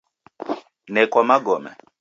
Nekwa magome